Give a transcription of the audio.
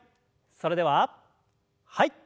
それでははい。